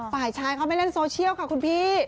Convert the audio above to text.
ฝ่ายชายเขาไม่เล่นโซเชียลค่ะคุณพี่